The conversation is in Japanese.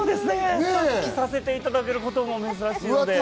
着させていただけることも珍しいので。